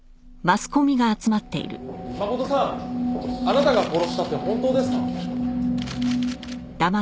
真琴さんあなたが殺したって本当ですか？